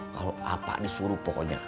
kalau apa disuruh pokoknya